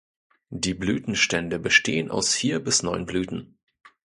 Die Blütenstände bestehen aus vier bis neun Blüten.